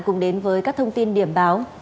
cùng đến với các thông tin điểm báo